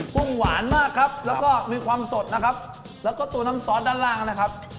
กุ้งหวานมากครับแล้วก็มีความสดนะครับแล้วก็ตัวน้ำซอสด้านล่างนะครับ